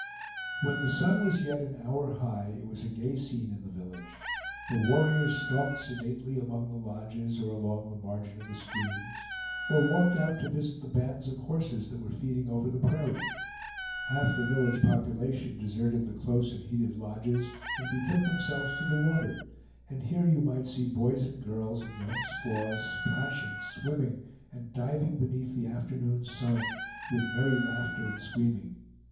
When the sun was yet an hour high, it was a gay scene in the village. The warriors stalked sedately among the lodges, or along the margin of the streams, or walked out to visit the bands of horses that were feeding over the prairie. Half the village population deserted the close and heated lodges and betook themselves to the water; and here you might see boys and girls and young squaws splashing, swimming, and diving beneath the afternoon sun, with merry laughter and screaming.